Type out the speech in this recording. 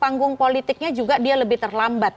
panggung politiknya juga dia lebih terlambat